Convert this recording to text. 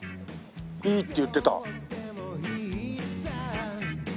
いいって言ってた。